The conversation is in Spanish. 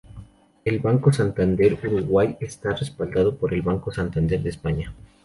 El Banco Santander Uruguay está respaldado por el Banco Santander de España.